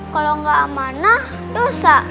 kalo gak amanah dosa